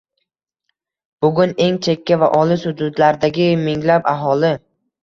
Bugun eng chekka va olis hududlardagi minglab aholi